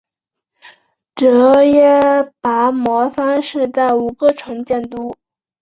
阇耶跋摩三世在吴哥城建都。